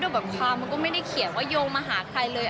แบบความมันก็ไม่ได้เขียนว่าโยงมาหาใครเลย